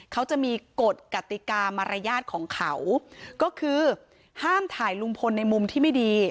เขาจะมีกฎกติกามารยาทของเขาก็คือห้ามถ่ายลุงพลในมุมที่ไม่ดี